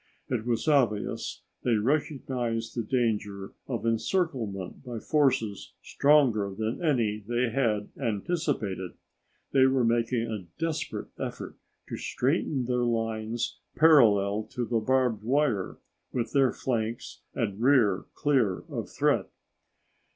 It was obvious they recognized the danger of encirclement by forces stronger than any they had anticipated. They were making a desperate effort to straighten their lines parallel to the barbed wire, with their flanks and rear clear of threat.